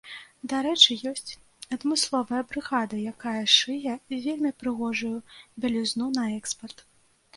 Дарэчы, ёсць адмысловая брыгада, якая шые вельмі прыгожую бялізну на экспарт.